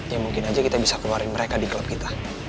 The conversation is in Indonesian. ya mungkin aja kita bisa keluarin mereka di klub kita